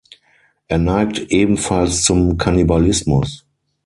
Er neigt ebenfalls zum Kannibalismus.